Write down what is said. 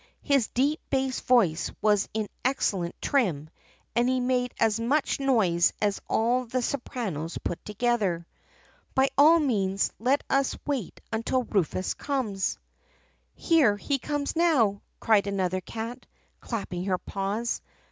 His deep bass voice was in excellent trim and he made as much noise as all the sopranos put together. By all means let us wait until Rufus comes.' " 'Here he comes now!' cried another cat, clapping her paws.